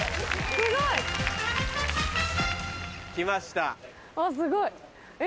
すごいえ？